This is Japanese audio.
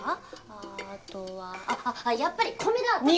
あとはやっぱり米だ！とかとか。